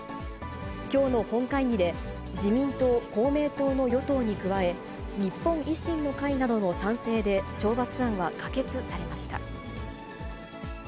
きょうの本会議で、自民党、公明党の与党に加え、日本維新の会などの賛成で、懲罰案は可決されました。